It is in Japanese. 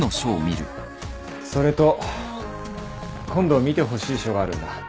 それと今度見てほしい書があるんだ。